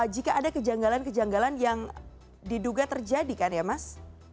jika ada kejanggalan kejanggalan yang diduga terjadi kan ya mas